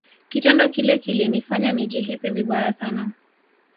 kitendo kile kilinifanya nijihisi vibaya sana